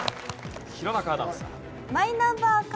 弘中アナウンサー。